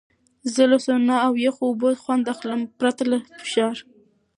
زه له سونا او یخو اوبو خوند اخلم، پرته له فشار.